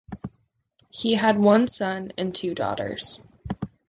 He had one son and two daughters.